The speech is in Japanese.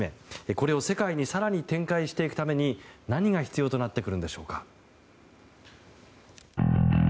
これを世界に更に展開していくために何が必要となってくるんでしょうか。